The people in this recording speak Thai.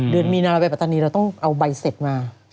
เดือนมีนาเราไปปัตตานีเราต้องเอาใบเสร็จมา